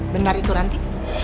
benar itu ranti